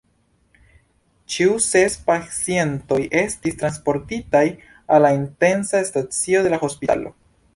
Ĉiu ses pacientoj estis transportitaj al la intensa stacio de la hospitalo.